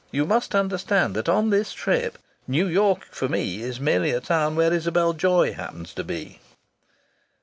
You must understand that on this trip New York for me is merely a town where Isabel Joy happens to be."